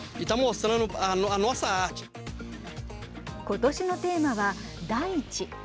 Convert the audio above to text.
今年のテーマは大地。